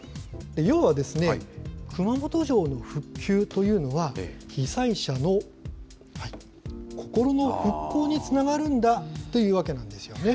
要は、熊本城の復旧というのは、被災者の心の復興につながるんだというわけなんですよね。